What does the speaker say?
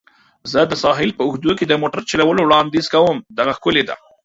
زه د ساحل په اوږدو کې د موټر چلولو وړاندیز کوم. دغه ښکلې ده.